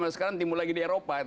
sekarang timbul lagi di eropa